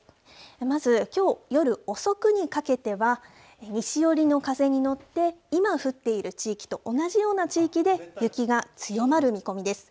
まずきょう夜遅くにかけては、西寄りの風に乗って、今降っている地域と同じような地域で、雪が強まる見込みです。